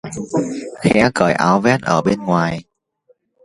Khẽ cởi áo vest ở bên ngoài